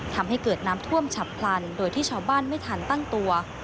ทำให้เกิดน้ำท่วมฉับพลันโดยที่ชาวบ้านไม่ทันตั้งตัว